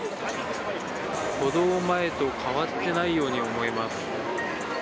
補導前と変わっていないように思います。